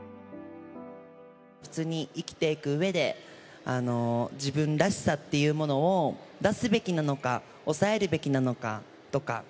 普通に生きていくうえで、自分らしさっていうものを出すべきなのか、抑えるべきなのかとか。